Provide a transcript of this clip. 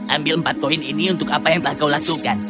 ambil empat poin ini untuk apa yang telah kau lakukan